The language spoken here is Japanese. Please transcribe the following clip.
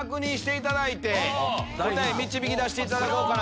答え導き出していただこうかなと。